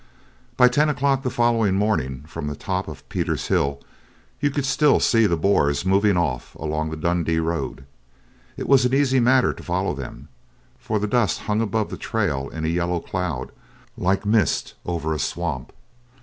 By ten o'clock the following morning from the top of Pieter's Hill you could still see the Boers moving off along the Dundee road. It was an easy matter to follow them, for the dust hung above the trail in a yellow cloud, like mist over a swamp.